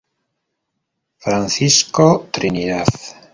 Francisco Trinidad.